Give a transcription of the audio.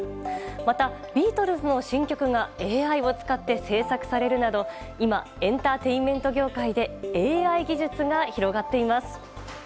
また、ビートルズの新曲がＡＩを使って制作されるなど今、エンターテインメント業界でＡＩ技術が広がっています。